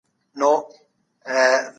اخبار لوستل د حالاتو نه خبرېدل دي.